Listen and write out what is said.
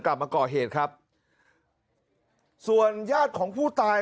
กลับมาก่อเหตุครับส่วนญาติของผู้ตาย